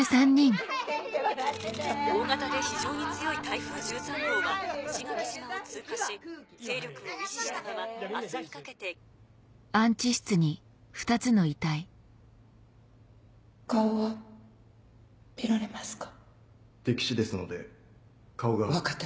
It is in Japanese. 大型で非常に強い台風１３号は石垣島を通過し勢力を維持したまま明日にかけて顔は見られますか？